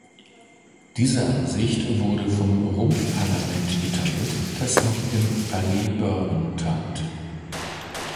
Diese Ansicht wurde vom Rumpfparlament geteilt, das noch im Palais Bourbon tagte.